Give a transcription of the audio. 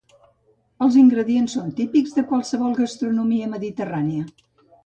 Els ingredients són típics de qualsevol gastronomia mediterrània.